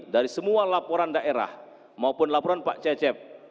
dari semua laporan daerah maupun laporan pak cecep